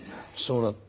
そうだ。